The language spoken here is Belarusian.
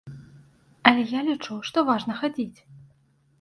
Але я лічу, што важна хадзіць.